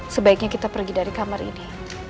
sebaiknya kita pergi dari kamar ini